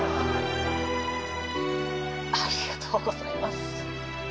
ありがとうございます。